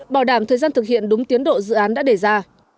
bảo đảm thời gian thực hiện đúng tiến độ dự án đã đề ra